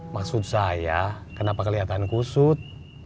maksud saya kenapa kelihatan kusut